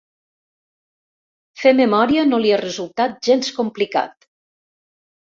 Fer memòria no li ha resultat gens complicat.